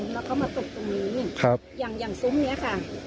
แล้วเขามาตกตรงนี้อย่างซุ้มนี้ค่ะ